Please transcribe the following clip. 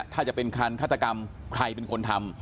ถ้าจะเป็นคันฆาตกรรมใครเป็นคนทำ